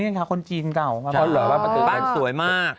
นี่ค่ะคนจีนเก่าบ้านสวยมาก